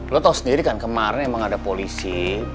lu tau sendiri kan kemarin emang ada polisi